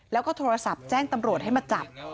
แล้วก็โทรศัพท์แจ้งตำรวจให้มาจับ